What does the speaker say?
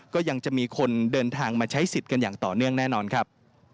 ก็ยังจะมีคนเดินทางมาใช้สิทธิ์กันอย่างต่อเนื่องแน่นอนครับ